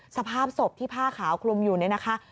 สภาพศพที่ผ้าขาวคลุมอยู่เนี่ยนะคะ